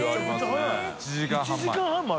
１時間半前。